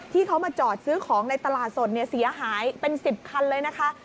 ที่เขามาจอดซื้อของในตลาดสดเสียหายเป็น๑๐คันเลยนะคะ